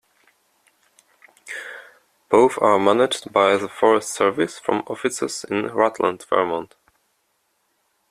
Both are managed by the Forest Service from offices in Rutland, Vermont.